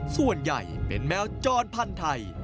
ส่วนใหญ่เป็นแมวจรพันธ์ไทย